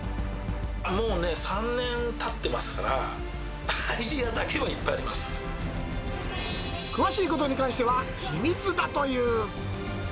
もうね、３年たってますから、詳しいことに関しては秘密だという。